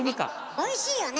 おいしいよね。